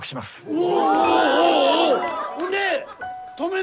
お！